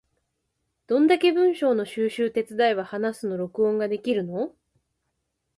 どんだけ文章の収集手伝えば話すの録音ができるの？